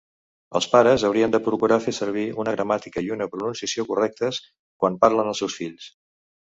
El pares haurien de procurar fer servir una gramàtica i una pronunciació correctes quan parlen als seus fills.